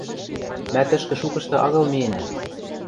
Мӓ тӹшкӹ шукышты агыл миэнӓ.